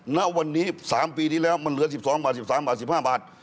ณวันนี้๓ปีที่แล้วมันเหลือ๑๒บาท๑๓บาท๑๕บาท